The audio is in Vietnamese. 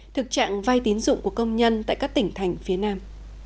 thực trạng vai tín dụng của công nhân tại các tỉnh thành phía nam